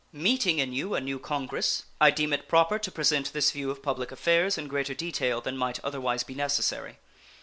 Meeting in you a new Congress, I deem it proper to present this view of public affairs in greater detail than might otherwise be necessary.